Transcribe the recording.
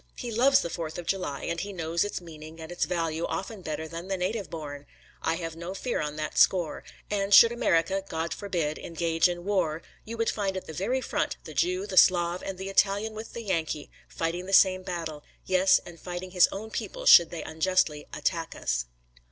He loves the Fourth of July, and he knows its meaning and its value often better than the native born. I have no fear on that score; and should America, God forbid, engage in war, you would find at the very front the Jew, the Slav, and the Italian with the Yankee, fighting the same battle; yes, and fighting his own people should they unjustly attack us.